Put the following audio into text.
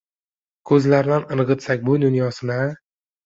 Ko‘zlardan irg‘itsak bu dunyosini a?